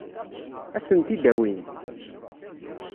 Ad sen-t-id-awint?